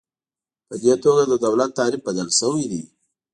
په دې توګه د دولت تعریف بدل شوی دی.